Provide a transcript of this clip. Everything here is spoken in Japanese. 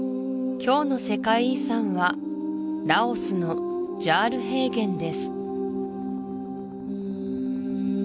今日の世界遺産はラオスのジャール平原です